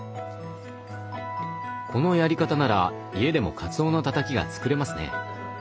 このやり方なら家でもかつおのたたきが作れますね。